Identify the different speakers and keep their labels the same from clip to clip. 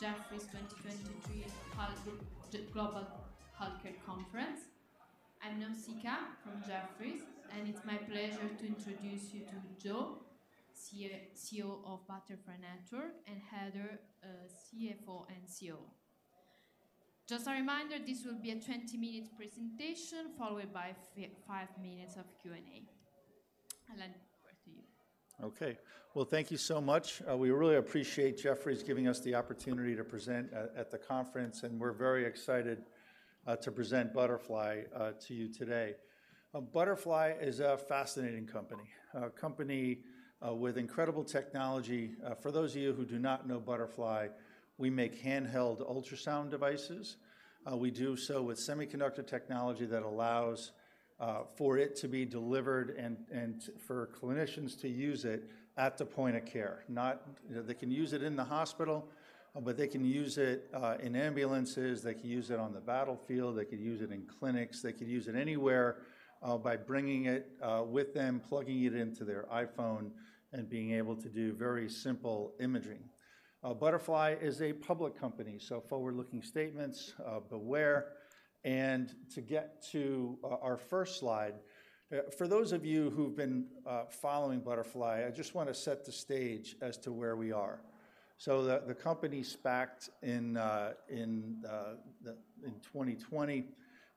Speaker 1: Welcome to Jefferies 2023 Global Healthcare Conference. I'm Nausica from Jefferies, and it's my pleasure to introduce you to Joe, CEO of Butterfly Network, and Heather, CFO and COO. Just a reminder, this will be a 20-minute presentation, followed by 5 minutes of Q&A. I'll hand over to you.
Speaker 2: Okay. Well, thank you so much. We really appreciate Jefferies giving us the opportunity to present at the conference, and we're very excited to present Butterfly to you today. Butterfly is a fascinating company, a company with incredible technology. For those of you who do not know Butterfly, we make handheld ultrasound devices. We do so with semiconductor technology that allows for it to be delivered and for clinicians to use it at the point of care. They can use it in the hospital, but they can use it in ambulances. They can use it on the battlefield. They could use it in clinics. They could use it anywhere by bringing it with them, plugging it into their iPhone, and being able to do very simple imaging. Butterfly is a public company, so forward-looking statements, beware. To get to our first slide, for those of you who've been following Butterfly, I just wanna set the stage as to where we are. The company SPACed in 2020,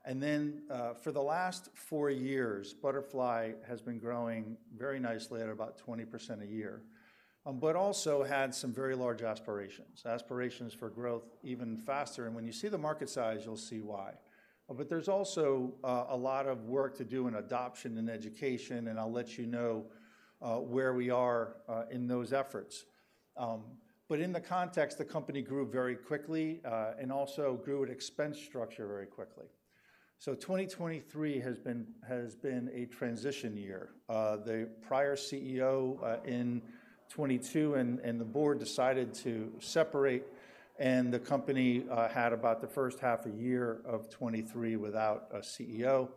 Speaker 2: and then for the last four years, Butterfly has been growing very nicely at about 20% a year. But also had some very large aspirations, aspirations for growth even faster, and when you see the market size, you'll see why. But there's also a lot of work to do in adoption and education, and I'll let you know where we are in those efforts. But in the context, the company grew very quickly and also grew an expense structure very quickly. So 2023 has been a transition year. The prior CEO, in 2022, and the board decided to separate, and the company had about the first half a year of 2023 without a CEO.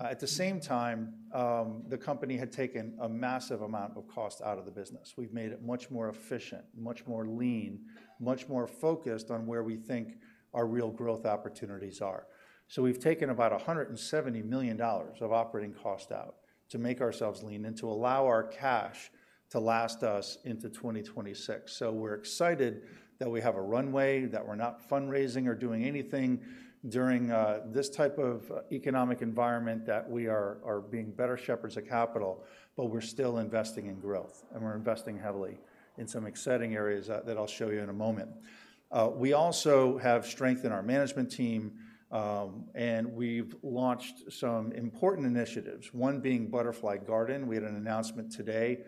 Speaker 2: At the same time, the company had taken a massive amount of cost out of the business. We've made it much more efficient, much more lean, much more focused on where we think our real growth opportunities are. So we've taken about $170 million of operating cost out to make ourselves lean and to allow our cash to last us into 2026. So we're excited that we have a runway, that we're not fundraising or doing anything during this type of economic environment, that we are being better shepherds of capital, but we're still investing in growth, and we're investing heavily in some exciting areas that I'll show you in a moment. We also have strength in our management team, and we've launched some important initiatives, one being Butterfly Garden. We had an announcement today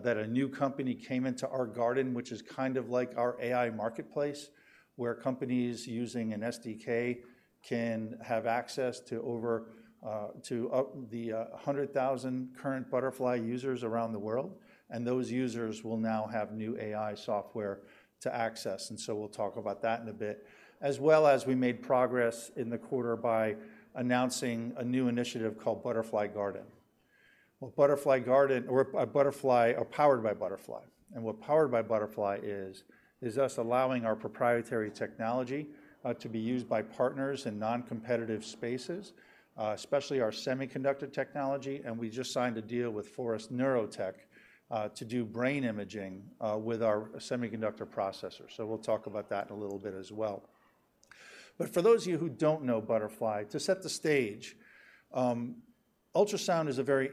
Speaker 2: that a new company came into our garden, which is kind of like our AI marketplace, where companies using an SDK can have access to over 100,000 current Butterfly users around the world, and those users will now have new AI software to access, and so we'll talk about that in a bit. As well as we made progress in the quarter by announcing a new initiative called Butterfly Garden. Well, Butterfly Garden or Butterfly, Powered by Butterfly, and what Powered by Butterfly is, is us allowing our proprietary technology to be used by partners in non-competitive spaces, especially our semiconductor technology, and we just signed a deal with Forest Neurotech to do brain imaging with our semiconductor processor. So we'll talk about that in a little bit as well. But for those of you who don't know Butterfly, to set the stage, ultrasound is a very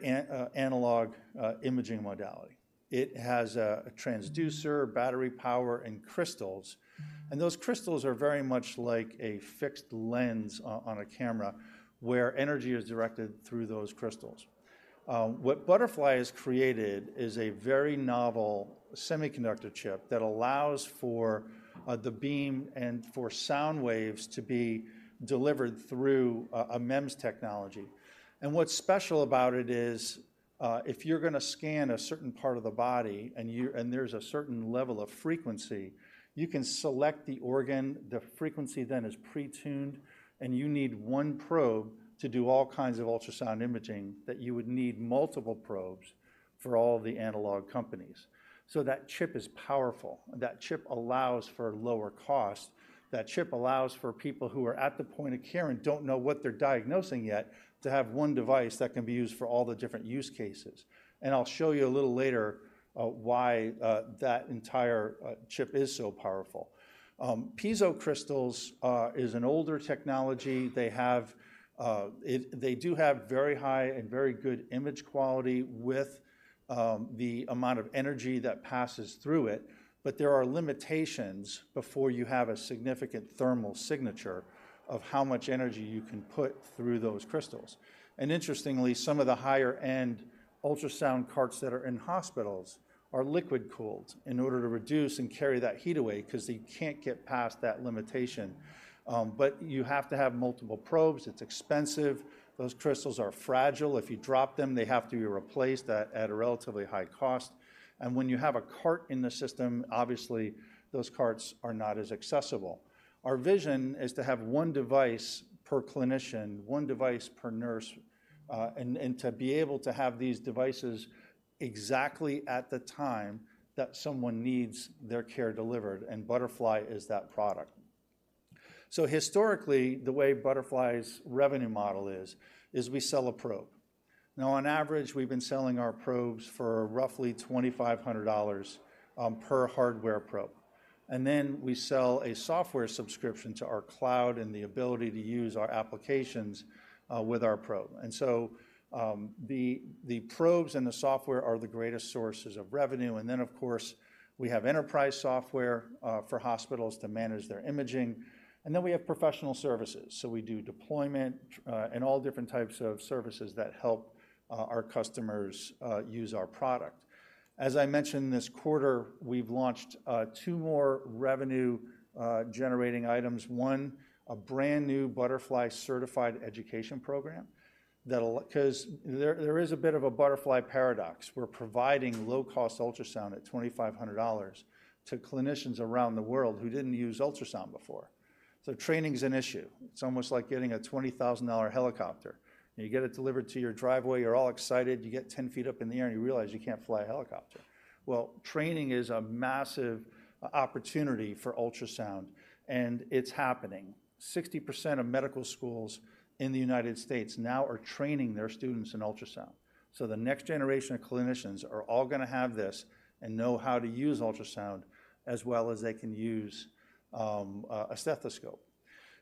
Speaker 2: analog imaging modality. It has a transducer, battery power, and crystals, and those crystals are very much like a fixed lens on a camera, where energy is directed through those crystals. What Butterfly has created is a very novel semiconductor chip that allows for the beam and for sound waves to be delivered through a MEMS technology. And what's special about it is if you're gonna scan a certain part of the body and there's a certain level of frequency, you can select the organ, the frequency then is pre-tuned, and you need one probe to do all kinds of ultrasound imaging that you would need multiple probes for all the analog companies. So that chip is powerful. That chip allows for lower cost. That chip allows for people who are at the point of care and don't know what they're diagnosing yet, to have one device that can be used for all the different use cases, and I'll show you a little later why that entire chip is so powerful. Piezoelectric crystals is an older technology. They have very high and very good image quality with the amount of energy that passes through it, but there are limitations before you have a significant thermal signature of how much energy you can put through those crystals. Interestingly, some of the higher-end ultrasound carts that are in hospitals are liquid-cooled in order to reduce and carry that heat away because they can't get past that limitation. But you have to have multiple probes. It's expensive. Those crystals are fragile. If you drop them, they have to be replaced at a relatively high cost, and when you have a cart in the system, obviously, those carts are not as accessible. Our vision is to have one device per clinician, one device per nurse, and to be able to have these devices exactly at the time that someone needs their care delivered, and Butterfly is that product. So historically, the way Butterfly's revenue model is, we sell a probe. Now, on average, we've been selling our probes for roughly $2,500 per hardware probe. And then we sell a software subscription to our cloud and the ability to use our applications with our probe. And so, the probes and the software are the greatest sources of revenue. And then, of course, we have enterprise software for hospitals to manage their imaging, and then we have professional services. So we do deployment and all different types of services that help our customers use our product. As I mentioned, this quarter, we've launched two more revenue generating items. One, a brand-new Butterfly Certified Education Program that'll—'cause there, there is a bit of a Butterfly paradox. We're providing low-cost ultrasound at $2,500 to clinicians around the world who didn't use ultrasound before, so training is an issue. It's almost like getting a $20,000 helicopter, and you get it delivered to your driveway, you're all excited, you get 10 ft up in the air, and you realize you can't fly a helicopter. Well, training is a massive opportunity for ultrasound, and it's happening. 60% of medical schools in the United States now are training their students in ultrasound. So the next generation of clinicians are all gonna have this and know how to use ultrasound as well as they can use a stethoscope.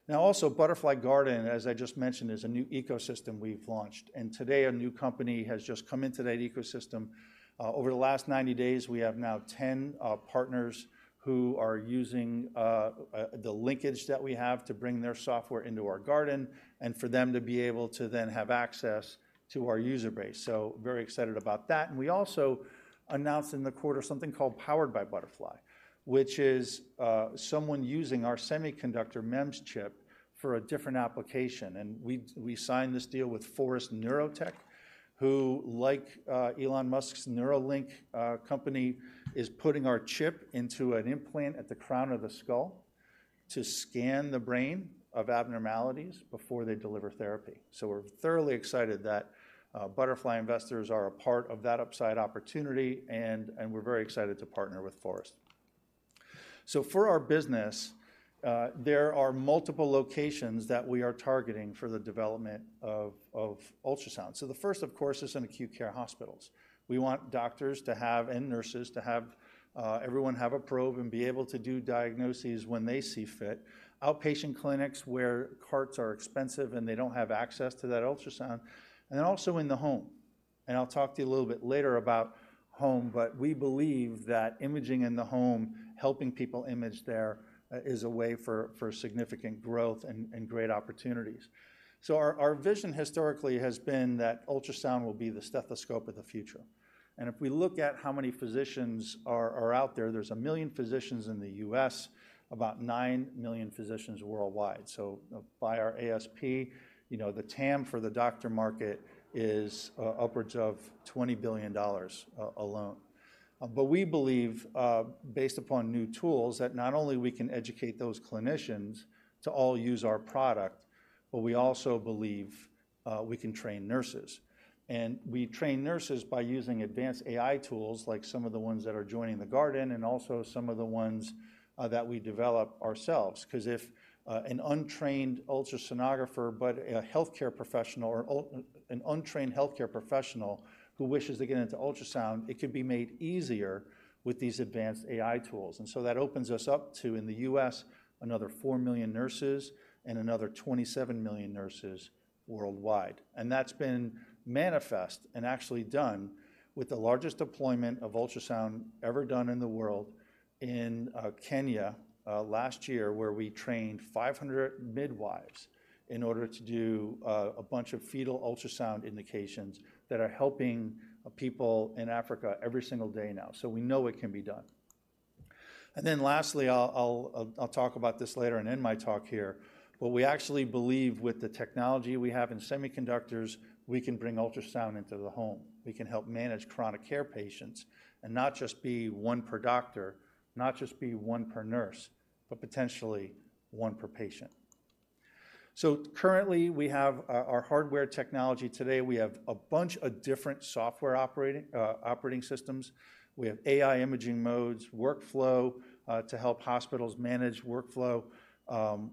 Speaker 2: Now, also, Butterfly Garden, as I just mentioned, is a new ecosystem we've launched, and today a new company has just come into that ecosystem. Over the last 90 days, we have now 10 partners who are using the linkage that we have to bring their software into our garden and for them to be able to then have access to our user base. So very excited about that. And we also announced in the quarter something called Powered by Butterfly, which is someone using our semiconductor MEMS chip for a different application, and we signed this deal with Forest Neurotech, who, like Elon Musk's Neuralink company, is putting our chip into an implant at the crown of the skull to scan the brain of abnormalities before they deliver therapy. So we're thoroughly excited that Butterfly investors are a part of that upside opportunity, and we're very excited to partner with Forest. So for our business, there are multiple locations that we are targeting for the development of ultrasound. So the first, of course, is in acute care hospitals. We want doctors to have, and nurses to have, everyone have a probe and be able to do diagnoses when they see fit. Outpatient clinics where carts are expensive, and they don't have access to that ultrasound, and then also in the home, and I'll talk to you a little bit later about home. But we believe that imaging in the home, helping people image there, is a way for significant growth and great opportunities. So our vision historically has been that ultrasound will be the stethoscope of the future. If we look at how many physicians are out there, there's 1 million physicians in the U.S., about 9 million physicians worldwide. So by our ASP, you know, the TAM for the doctor market is upwards of $20 billion alone. But we believe, based upon new tools, that not only we can educate those clinicians to all use our product, but we also believe we can train nurses. And we train nurses by using advanced AI tools like some of the ones that are joining the Garden and also some of the ones that we develop ourselves, 'cause if an untrained ultrasonographer but a healthcare professional or an untrained healthcare professional who wishes to get into ultrasound, it could be made easier with these advanced AI tools. And so that opens us up to, in the U.S., another 4 million nurses and another 27 million nurses worldwide, and that's been manifest and actually done with the largest deployment of ultrasound ever done in the world in Kenya last year, where we trained 500 midwives in order to do a bunch of fetal ultrasound indications that are helping people in Africa every single day now. So we know it can be done. And then lastly, I'll, I'll, I'll talk about this later on in my talk here, but we actually believe with the technology we have in semiconductors, we can bring ultrasound into the home. We can help manage chronic care patients and not just be one per doctor, not just be one per nurse, but potentially one per patient. So currently, we have our, our hardware technology. Today, we have a bunch of different software operating, operating systems. We have AI imaging modes, workflow, to help hospitals manage workflow,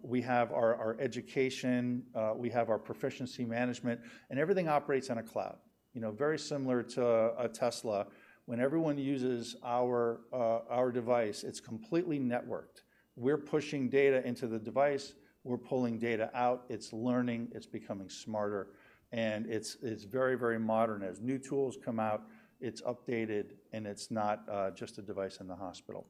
Speaker 2: we have our, our education, we have our proficiency management, and everything operates on a cloud. You know, very similar to a Tesla, when everyone uses our, our device, it's completely networked. We're pushing data into the device, we're pulling data out, it's learning, it's becoming smarter, and it's, it's very, very modern. As new tools come out, it's updated, and it's not, just a device in the hospital.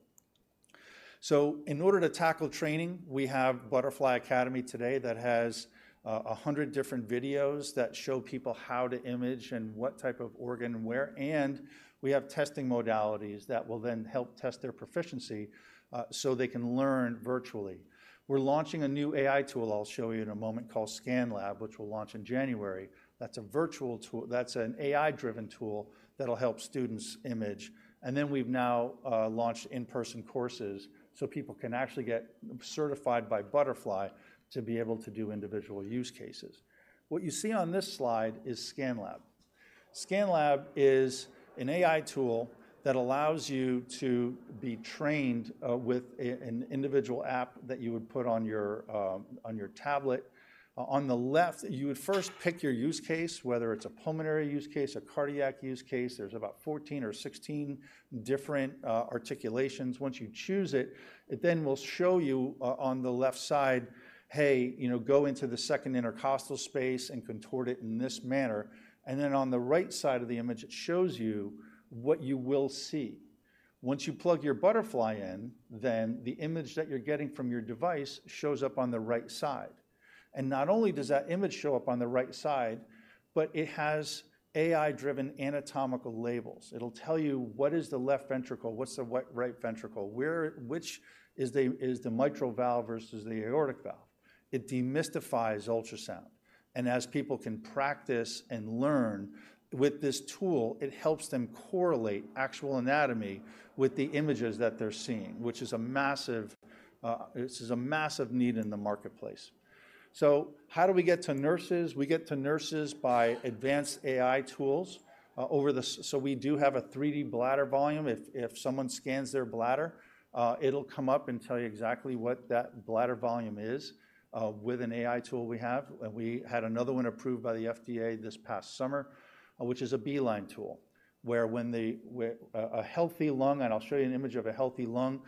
Speaker 2: So in order to tackle training, we have Butterfly Academy today that has, 100 different videos that show people how to image and what type of organ and where, and we have testing modalities that will then help test their proficiency, so they can learn virtually. We're launching a new AI tool I'll show you in a moment called ScanLab, which we'll launch in January. That's a virtual tool. That's an AI-driven tool that'll help students image. And then we've now launched in-person courses, so people can actually get certified by Butterfly to be able to do individual use cases. What you see on this slide is ScanLab. ScanLab is an AI tool that allows you to be trained with an individual app that you would put on your tablet. On the left, you would first pick your use case, whether it's a pulmonary use case, a cardiac use case, there's about 14 or 16 different articulations. Once you choose it, it then will show you on the left side, "Hey, you know, go into the second intercostal space and contort it in this manner." And then on the right side of the image, it shows you what you will see. Once you plug your Butterfly in, then the image that you're getting from your device shows up on the right side, and not only does that image show up on the right side, but it has AI-driven anatomical labels. It'll tell you what is the left ventricle, what's the right ventricle, which is the mitral valve versus the aortic valve? It demystifies ultrasound, and as people can practice and learn with this tool, it helps them correlate actual anatomy with the images that they're seeing, which is a massive, this is a massive need in the marketplace. So how do we get to nurses? We get to nurses by advanced AI tools, so we do have a 3D bladder volume. If someone scans their bladder, it'll come up and tell you exactly what that bladder volume is, with an AI tool we have. And we had another one approved by the FDA this past summer, which is a B-line tool, where a healthy lung, and I'll show you an image of a healthy lung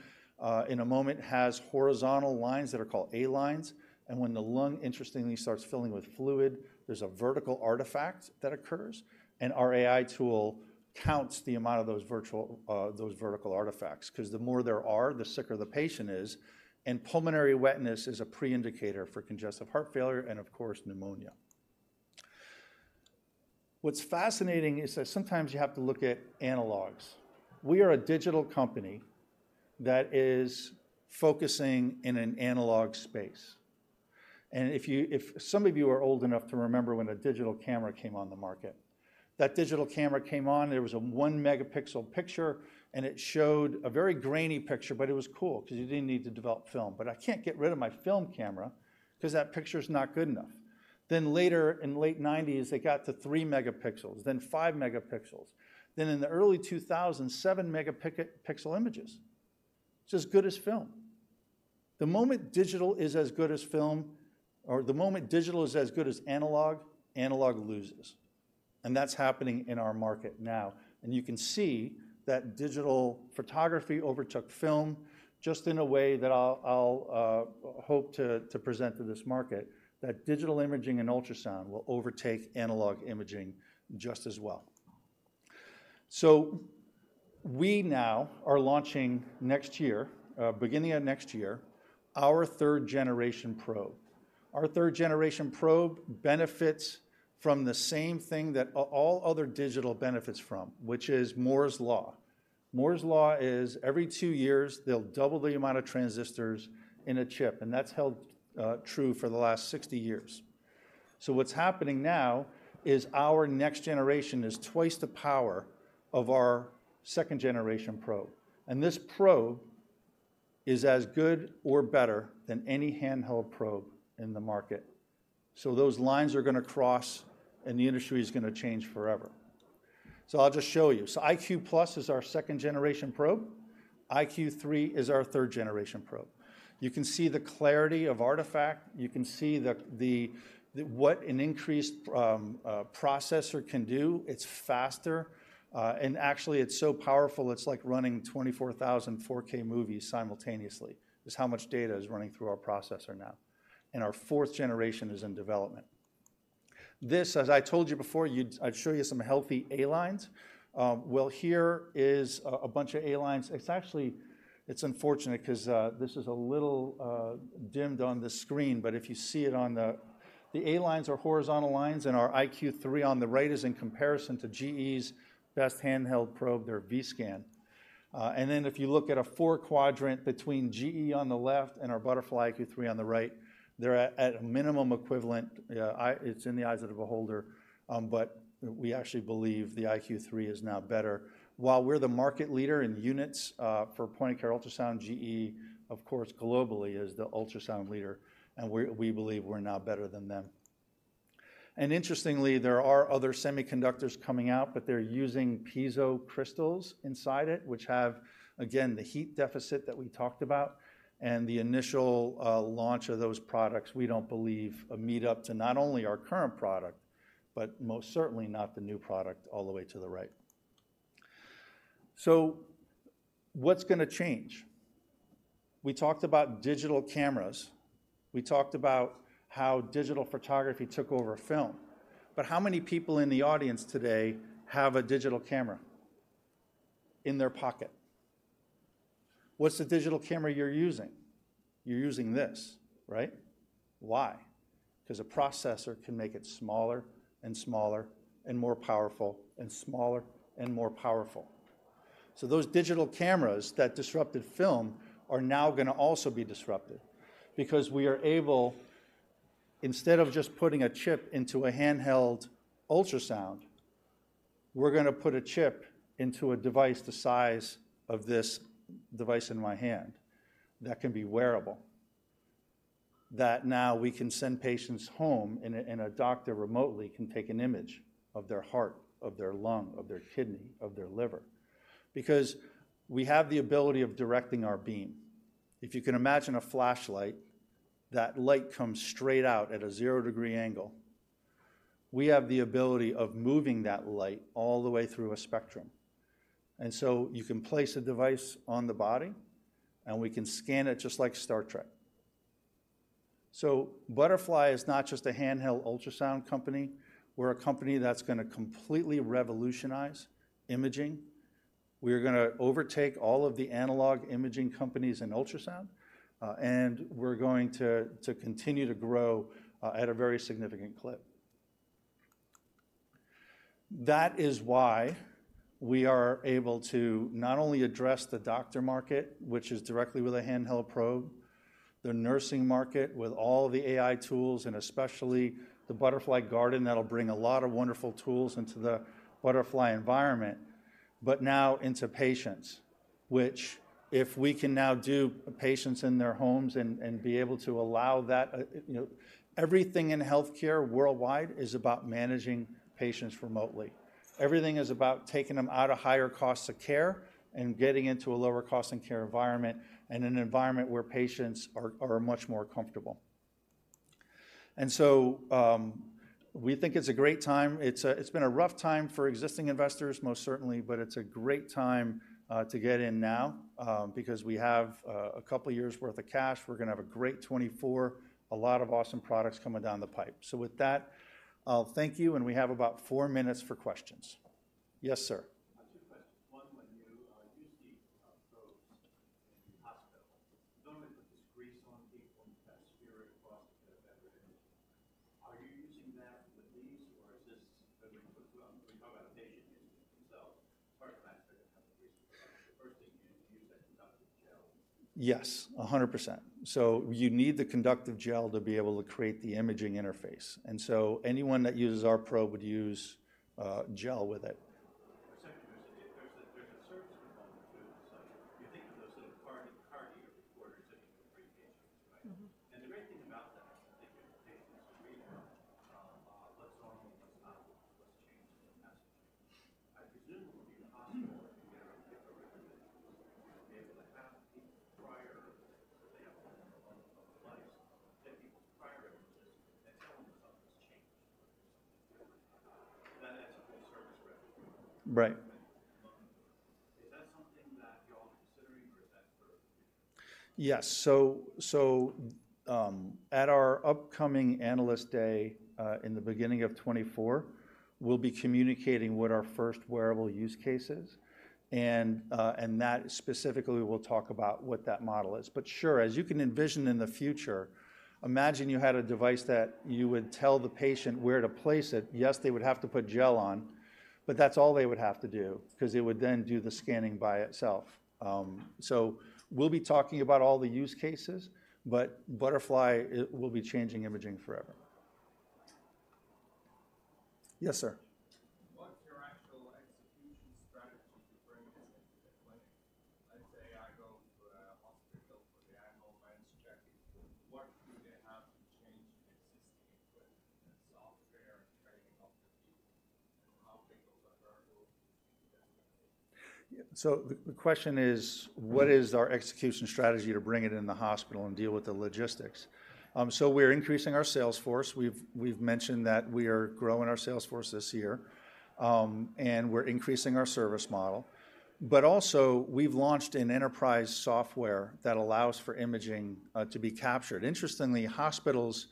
Speaker 2: in a moment, has horizontal lines that are called A-lines, and when the lung interestingly starts filling with fluid, there's a vertical artifact that occurs, and our AI tool counts the amount of those vertical, those vertical artifacts. 'Cause the more there are, the sicker the patient is, and pulmonary wetness is a pre-indicator for congestive heart failure and, of course, pneumonia. What's fascinating is that sometimes you have to look at analogs. We are a digital company that is focusing in an analog space, and if you, if some of you are old enough to remember when a digital camera came on the market, that digital camera came on, there was a 1-MP picture, and it showed a very grainy picture, but it was cool because you didn't need to develop film. But I can't get rid of my film camera because that picture's not good enough. Then later in late 1990s, they got to 3 MP, then 5 MP, then in the early 2000, 7-MP images. It's as good as film. The moment digital is as good as film, or the moment digital is as good as analog, analog loses, and that's happening in our market now. You can see that digital photography overtook film just in a way that I'll hope to present to this market, that digital imaging and ultrasound will overtake analog imaging just as well. We now are launching next year, beginning of next year, our third generation probe. Our third generation probe benefits from the same thing that all other digital benefits from, which is Moore's Law. Moore's Law is every two years, they'll double the amount of transistors in a chip, and that's held true for the last 60 years. So what's happening now is our next generation is twice the power of our second generation probe, and this probe is as good or better than any handheld probe in the market. So those lines are gonna cross, and the industry is gonna change forever. So I'll just show you. So iQ+ is our second generation probe. iQ3 is our third generation probe. You can see the clarity of artifact. You can see the what an increased processor can do. It's faster, and actually, it's so powerful, it's like running 24,000 4K movies simultaneously, is how much data is running through our processor now, and our fourth generation is in development. This, as I told you before, I'd show you some healthy A-lines. Well, here is a bunch of A-lines. It's actually, it's unfortunate 'cause this is a little dimmed on the screen, but if you see it on the... The A-lines are horizontal lines, and our iQ3 on the right is in comparison to GE's best handheld probe, their Vscan. And then if you look at a four-quadrant between GE on the left and our Butterfly iQ3 on the right, they're at a minimum equivalent. It's in the eyes of the beholder, but we actually believe the iQ3 is now better. While we're the market leader in units for point-of-care ultrasound, GE, of course, globally is the ultrasound leader, and we believe we're now better than them. Interestingly, there are other semiconductors coming out, but they're using piezo crystals inside it, which have, again, the heat deficit that we talked about and the initial, launch of those products, we don't believe are meet up to not only our current product, but most certainly not the new product all the way to the right. So what's gonna change? We talked about digital cameras. We talked about how digital photography took over film, but how many people in the audience today have a digital camera in their pocket? What's the digital camera you're using? You're using this, right? Why? 'Cause a processor can make it smaller and smaller and more powerful and smaller and more powerful. So those digital cameras that disrupted film are now gonna also be disrupted because we are able, instead of just putting a chip into a handheld ultrasound, we're gonna put a chip into a device the size of this device in my hand that can be wearable. That now we can send patients home and a doctor remotely can take an image of their heart, of their lung, of their kidney, of their liver. Because we have the ability of directing our beam. If you can imagine a flashlight, that light comes straight out at a zero-degree angle. We have the ability of moving that light all the way through a spectrum, and so you can place a device on the body, and we can scan it just like Star Trek. So Butterfly is not just a handheld ultrasound company, we're a company that's gonna completely revolutionize imaging. We're gonna overtake all of the analog imaging companies in ultrasound, and we're going to continue to grow at a very significant clip. That is why we are able to not only address the doctor market, which is directly with a handheld probe, the nursing market with all the AI tools, and especially the Butterfly Garden, that'll bring a lot of wonderful tools into the Butterfly environment, but now into patients, which if we can now do patients in their homes and be able to allow that, you know, everything in healthcare worldwide is about managing patients remotely. Everything is about taking them out of higher costs of care and getting into a lower cost in care environment, and an environment where patients are much more comfortable. And so, we think it's a great time. It's been a rough time for existing investors, most certainly, but it's a great time to get in now because we have a couple of years' worth of cash. We're gonna have a great 2024, a lot of awesome products coming down the pipe. So with that, I'll thank you, and we have about four minutes for questions. Yes, sir?
Speaker 3: Secondly, there's a service component to this. You think of those sort of cardiac recorders that you per patient, right?
Speaker 2: Mm-hmm.
Speaker 3: And the great thing about that, I think patients agree on, what's normal and what's not, what's changed and hasn't changed. I presume it would be possible to get a regular individual, be able to have the prior, that they have life, get people's prior images, and someone something's changed, something different. That adds a new service revenue.
Speaker 2: Right.
Speaker 3: Is that something that y'all are considering, or is that for...?
Speaker 2: Yes. So at our upcoming Analyst Day in the beginning of 2024, we'll be communicating what our first wearable use case is, and that specifically, we'll talk about what that model is. But sure, as you can envision in the future, imagine you had a device that you would tell the patient where to place it. Yes, they would have to put gel on, but that's all they would have to do because they would then do the scanning by itself. So we'll be talking about all the use cases, but Butterfly iQ will be changing imaging forever. Yes, sir.
Speaker 3: What's your actual execution strategy to bring this into the clinic? Let's say I go to a hospital for the annual checkup, what do they have to change in existing equipment and software and training of the people, and how big of a variable do you think that's going to be?
Speaker 2: So the question is, what is our execution strategy to bring it in the hospital and deal with the logistics? So we're increasing our sales force. We've mentioned that we are growing our sales force this year, and we're increasing our service model. But also, we've launched an enterprise software that allows for imaging to be captured. Interestingly, hospitals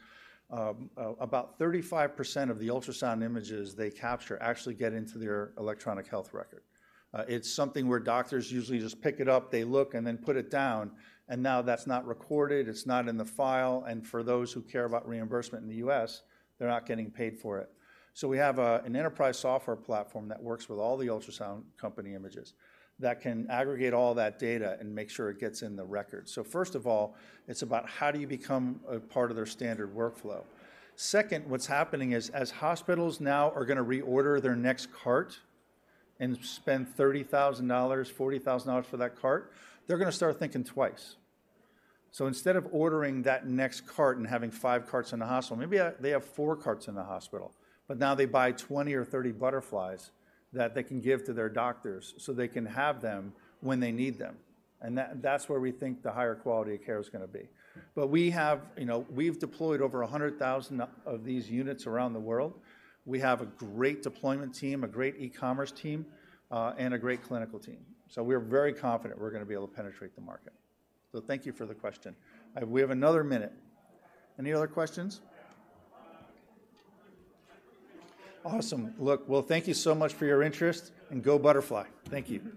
Speaker 2: about 35% of the ultrasound images they capture actually get into their electronic health record. It's something where doctors usually just pick it up, they look, and then put it down, and now that's not recorded, it's not in the file, and for those who care about reimbursement in the U.S., they're not getting paid for it. So we have an enterprise software platform that works with all the ultrasound company images, that can aggregate all that data and make sure it gets in the record. So first of all, it's about how do you become a part of their standard workflow? Second, what's happening is as hospitals now are gonna reorder their next cart and spend $30,000, $40,000 for that cart, they're gonna start thinking twice. So instead of ordering that next cart and having five carts in the hospital, maybe they have four carts in the hospital, but now they buy 20 or 30 Butterflies that they can give to their doctors so they can have them when they need them, and that's where we think the higher quality of care is gonna be. But we have, you know, we've deployed over 100,000 of these units around the world. We have a great deployment team, a great e-commerce team, and a great clinical team. So we're very confident we're gonna be able to penetrate the market. So thank you for the question. We have another minute. Any other questions? Awesome. Look, well, thank you so much for your interest, and go Butterfly. Thank you.